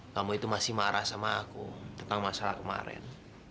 kamu itu masih marah sama aku tentang masalah kemarin